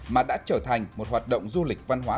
mà đã trở thành một hoạt động du lịch văn hóa